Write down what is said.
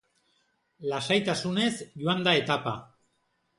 Lasaitasunez joan da etapa.